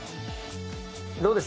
どうです？